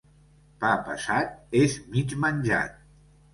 Pa pesat és mig menjat.